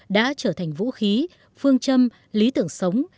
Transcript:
đã trở thành vũ khí phương châm lý tưởng sống